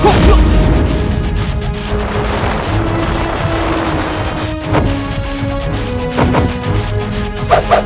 rayus rayus sensa pergi